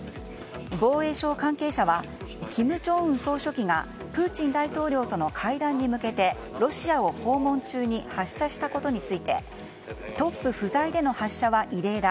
防衛省関係者は、金正恩総書記がプーチン大統領との会談に向けてロシアを訪問中に発射したことについてトップ不在での発射は異例だ。